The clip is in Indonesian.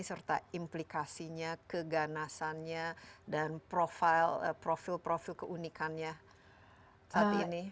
serta implikasinya keganasannya dan profil profil keunikannya saat ini